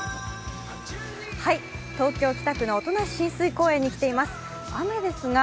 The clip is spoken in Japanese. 東京・北区の音無親水公園に来ています。